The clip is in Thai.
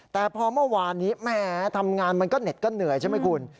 แต่พอเมื่อวานนี้แหมทำงานมันก็เหน็ดก็เหนื่อยใช่ไหมคุณ